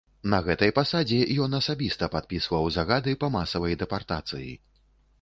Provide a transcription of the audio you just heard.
На гэтай пасадзе ён асабіста падпісваў загады па масавай дэпартацыі.